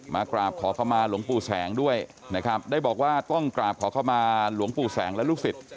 มากราบขอเข้ามาหลวงปู่แสงด้วยนะครับได้บอกว่าต้องกราบขอเข้ามาหลวงปู่แสงและลูกศิษย